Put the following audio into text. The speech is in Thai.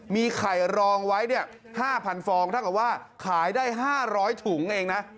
มีไข่รองไว้๕๐๐ฟองเท่ากับว่าขายได้๕๐๐ถุงเองนะ